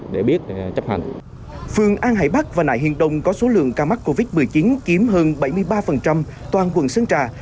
đồng có số lượng ca mắc covid một mươi chín kiếm hơn bảy mươi ba toàn quận sơn trà